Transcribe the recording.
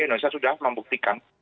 indonesia sudah membuktikan